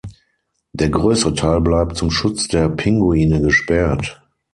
Der größere Teil bleibt zum Schutz der Pinguine gesperrt.